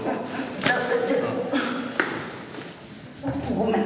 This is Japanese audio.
ごめん。